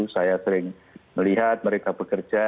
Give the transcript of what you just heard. saya sering melihat mereka bekerja